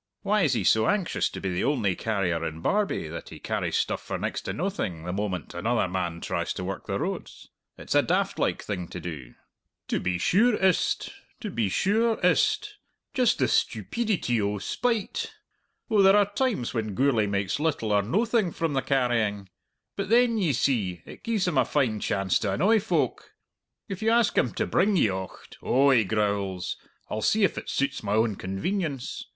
Why is he so anxious to be the only carrier in Barbie that he carries stuff for next to noathing the moment another man tries to work the roads? It's a daft like thing to do!" "To be sure is't, to be sure is't! Just the stupeedity o' spite! Oh, there are times when Gourlay makes little or noathing from the carrying; but then, ye see, it gies him a fine chance to annoy folk! If you ask him to bring ye ocht, 'Oh,' he growls, 'I'll see if it suits my own convenience.'